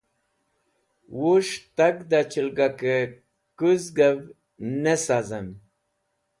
Wus̃h tag dẽ chelgakẽ kũzgẽv (beggars) ne sazẽm.